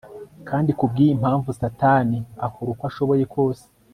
kandi kubwiyi mpamvu Satani akora uko ashoboye kose